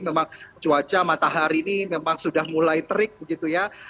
memang cuaca matahari ini memang sudah mulai terik begitu ya